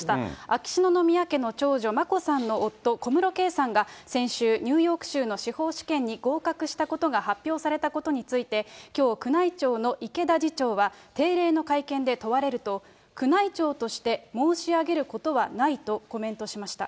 秋篠宮家の長女、眞子さんの夫、小室圭さんが先週、ニューヨーク州の司法試験に合格したことが発表されたことについて、きょう、宮内庁のいけだ次長は定例の会見で問われると、宮内庁として申し上げることはないとコメントしました。